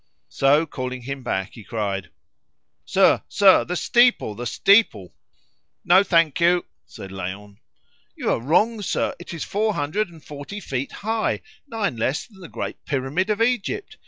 So calling him back, he cried "Sir! sir! The steeple! the steeple!" "No, thank you!" said Léon. "You are wrong, sir! It is four hundred and forty feet high, nine less than the great pyramid of Egypt.